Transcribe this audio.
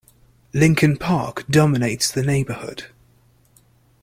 Lincoln Park dominates the neighborhood.